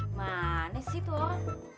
gimana sih tuh